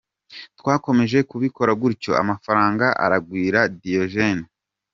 Twakomeje kubikora gutyo, amafranga aragwira - Diogene.